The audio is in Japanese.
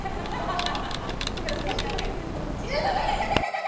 もうちょっと近づいてもらってもイタタタタタタ！